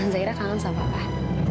zaira kangen sama bapak